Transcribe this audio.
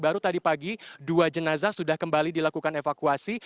baru tadi pagi dua jenazah sudah kembali dilakukan evakuasi